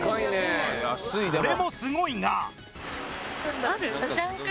これもすごいが。